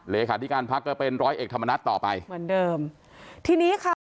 เลขาธิการพักก็เป็นร้อยเอกธรรมนัฐต่อไปเหมือนเดิมทีนี้ค่ะ